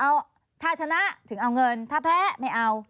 เอาถ้าชนะถึงเอาเงินถ้าแพ้ไม่เอา